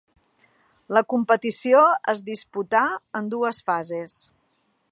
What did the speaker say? La competició es disputà en dues fases.